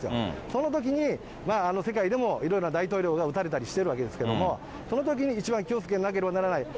そのときに、世界でもいろいろ大統領が撃たれたりしているわけですけれども、そのときに一番気をつけなければならない。